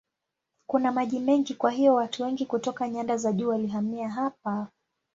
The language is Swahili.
Kuna maji mengi kwa hiyo watu wengi kutoka nyanda za juu walihamia hapa.